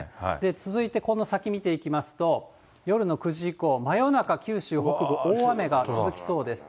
続いてこの先見ていきますと、夜の９時以降、真夜中、九州北部、大雨が続きそうです。